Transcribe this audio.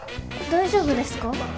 大丈夫ですか？